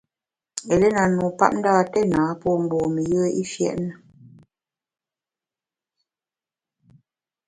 Eléna, nupapndâ, téna pô mgbom-i yùe i fiét na.